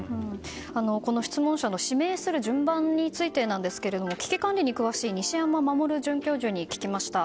この質問者を指名する順番についてですが危機管理に詳しい西山守准教授に聞きました。